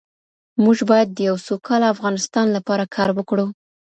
موږ باید د یو سوکاله افغانستان لپاره کار وکړو.